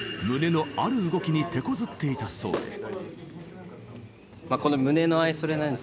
胸の、ある動きに手こずっていたそうで。